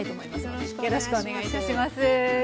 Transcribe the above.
よろしくお願いします。